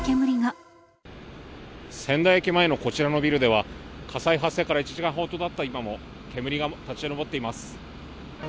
仙台駅前のこちらのビルでは、火災発生から１時間ほどたった今も、煙が立ち上っています。